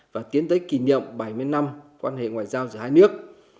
và tiến tới kỷ niệm bảy mươi năm quan hệ ngoại giao giữa hai nước